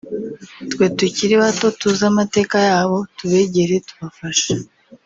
twe tukiri bato tuzi amateka yabo tubegere tubafashe